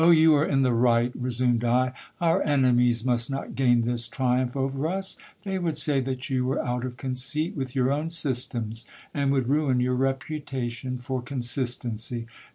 you are in the right, resumed I ; our enemies must not gain this triumph over us ; they would say that you were out of conceit with your own systems, and would ruin your reputation for con sistency.